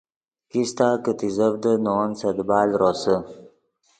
کیستہ کہ تیزڤدیت نے ون سے دیبال روسے